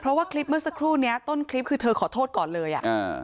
เพราะว่าคลิปเมื่อสักครู่เนี้ยต้นคลิปคือเธอขอโทษก่อนเลยอ่ะอ่า